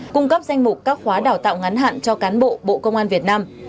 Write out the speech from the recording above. cung cấp danh mục các khóa đào tạo ngắn hạn cho cán bộ bộ công an việt nam